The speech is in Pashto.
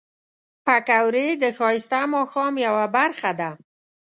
پکورې د ښایسته ماښام یو برخه ده